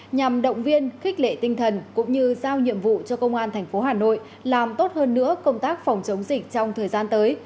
nhằm động viên khích lệ tinh thần cũng như giao nhiệm vụ cho công an tp hà nội làm tốt hơn nữa công tác phòng chống dịch trong thời gian tới